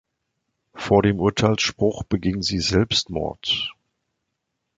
Vor dem Urteilsspruch beging sie Selbstmord.